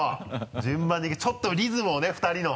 順番的にちょっとリズムをね２人の。